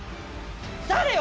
誰よ？